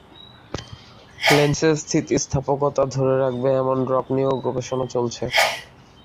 লেন্সের স্থিতিস্থাপকতা ধরে রাখবে এমন ড্রপ নিয়েও গবেষণা চলছে।